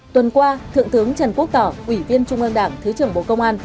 tuần qua thượng tướng trần quốc tỏ ủy viên trung ương đảng thứ trưởng bộ công an